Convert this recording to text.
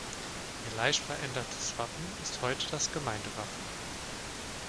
Ihr leicht verändertes Wappen ist heute das Gemeindewappen.